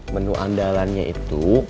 menu andalannya itu